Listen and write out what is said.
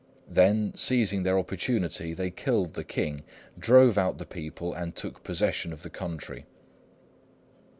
Then, seizing their opportunity, they killed the king, drove out the people, and took possession of the country."